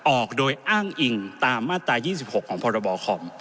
ออกโดยอ้างอิงตามมาตรา๒๖ของพรบคอม